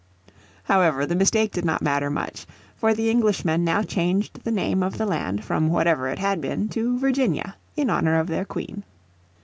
However, the mistake did not matter much. For the Englishmen now changed the name of the land from whatever it had been to Virginia in honour of their Queen.